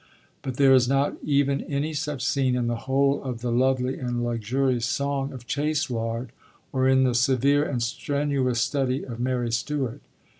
But there is not even any such scene in the whole of the lovely and luxurious song of Chastelard or in the severe and strenuous study of Mary Stuart.